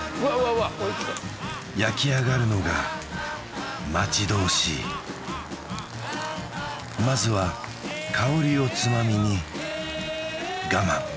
うわ焼き上がるのが待ち遠しいまずは香りをつまみに我慢